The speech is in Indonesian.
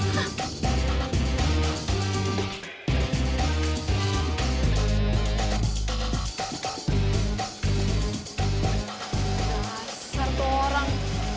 dasar tuh orang